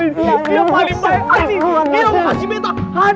iya makasih beta